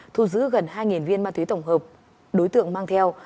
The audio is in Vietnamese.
thu giữ gần hai viên ma túy tổng hợp đối tượng mang theo